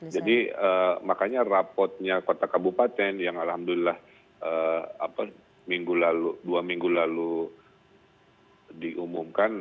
jadi makanya raportnya kota kabupaten yang alhamdulillah dua minggu lalu diumumkan